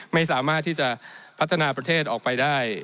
ไม่สามารถที่จะพัฒนาประเทศออกไปได้